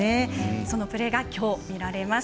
そのプレーがきょう見られます。